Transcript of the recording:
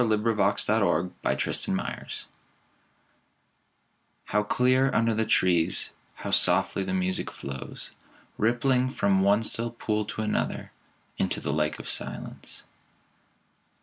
Aldous Huxley A Melody by Scarlatti HOW clear under the trees, How softly the music flows, Rippling from one still pool to another Into the lake of silence.